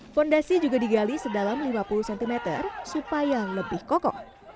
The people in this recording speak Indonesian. fondasi juga digali sedalam lima puluh cm supaya lebih kokoh